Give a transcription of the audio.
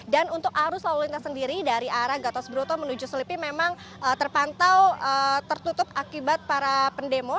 dan untuk arus lalu lintas sendiri dari arah gatos bruto menuju selipi memang terpantau tertutup akibat para pendemo